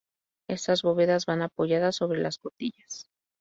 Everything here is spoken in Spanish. Estas bóvedas van apoyadas sobre las "cotillas".